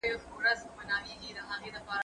زه به اوږده موده کتاب ليکلی وم!؟